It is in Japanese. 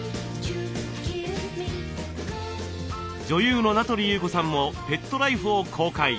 女優の名取裕子さんもペットライフを公開。